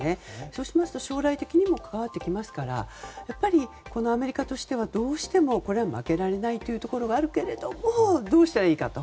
そうしますと将来的にも関わってきますからやっぱりアメリカとしてはどうしてもこれは負けられないところがあるけれどもどうしたらいいかと。